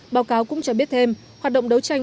báo cáo cũng cho biết thêm hoạt động đấu tranh